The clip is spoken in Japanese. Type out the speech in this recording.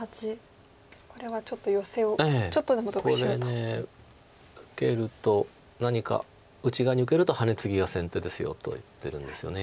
これ受けると何か内側に受けるとハネツギが先手ですよと言ってるんですよね。